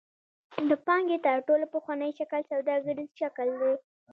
د پانګې تر ټولو پخوانی شکل سوداګریز شکل دی.